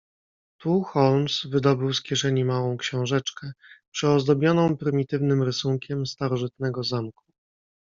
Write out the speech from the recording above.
"Tu Holmes wydobył z kieszeni małą książeczkę, przyozdobioną prymitywnym rysunkiem starożytnego zamku."